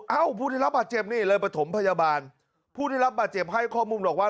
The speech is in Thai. เอ้าผู้ได้รับบาดเจ็บนี่เลยประถมพยาบาลผู้ได้รับบาดเจ็บให้ข้อมูลบอกว่า